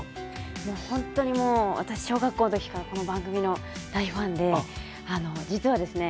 もうほんとにもう私小学校の時からこの番組の大ファンで実はですね